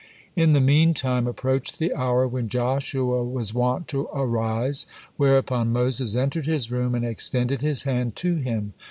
In the meantime approached the hour when Joshua was wont to arise, whereupon Moses entered his room and extended his hand to him.